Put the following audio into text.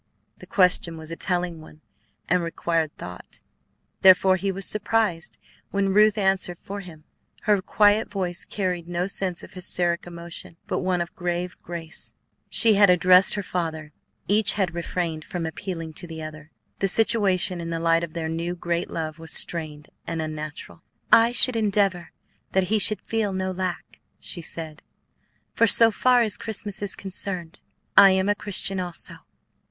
The question was a telling one and required thought; therefore he was surprised when Ruth answered for him. Her quiet voice carried no sense of hysteric emotion, but one of grave grace. She addressed her father; each had refrained from appealing to the other. The situation in the light of their new, great love was strained and unnatural. "I should endeavor that he should feel no lack," she said; "for so far as Christmas is concerned, I am a Christian also."